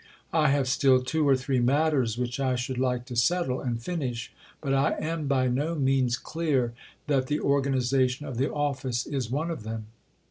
I have still two or three matters which I should like to settle and finish, but I am by no means clear that the organization of the Office is one of them....